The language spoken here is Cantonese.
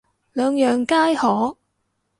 兩樣皆可